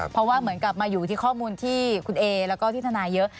เพราะว่าเหมือนกลับมาอยู่ที่ข้อมูลที่คุณเอแล้วก็ที่ทนายเยอะ